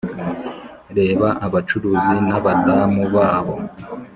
reba abacuruzi nabadamu babo